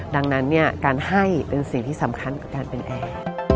ดังนั้นการให้เป็นสิ่งที่สำคัญกับการเป็นแอร์